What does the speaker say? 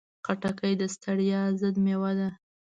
خټکی د ستړیا ضد مېوه ده.